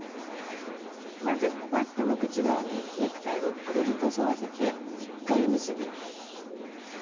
まずバッグの口側にネクタイをぐるりと沿わせて１回結び。